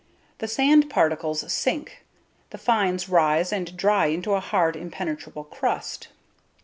The sand particles sink, the fines rise and dry into a hard, impenetrable crust.